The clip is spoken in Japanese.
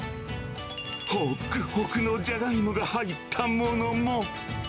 ほっくほくのじゃがいもが入ったものも。